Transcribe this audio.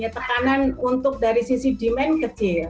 tekanan untuk dari sisi demand kecil